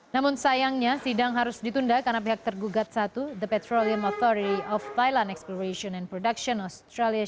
namun sayangnya sidang harus ditunda karena pihak tergugat satu the petrolium authory of thailand exploration and production australia